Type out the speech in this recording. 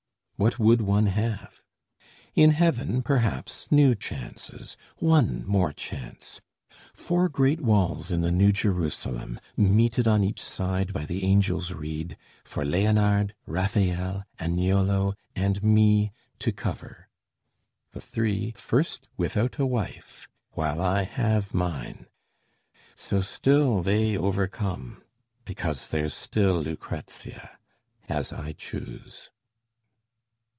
What would one have? In heaven, perhaps, new chances, one more chance Four great walls in the New Jerusalem, Meted on each side by the angel's reed, For Leonard, Rafael, Agnolo, and me To cover the three first without a wife, While I have mine! So still they overcome Because there's still Lucrezia, as I choose.